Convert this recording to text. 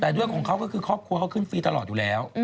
แต่ด้วยของเขาก็คือครอบครัวเขาขึ้นฟรีตลอดอยู่แล้ว